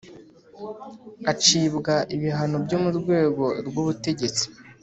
Acibwa ibihano byo mu rwego rw ubutegetsi